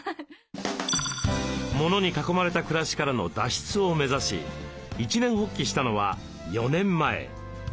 モノに囲まれた暮らしからの脱出を目指し一念発起したのは４年前。